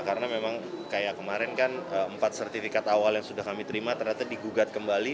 karena memang kayak kemarin kan empat sertifikat awal yang sudah kami terima ternyata digugat kembali